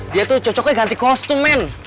dia tuh cocoknya ganti kostum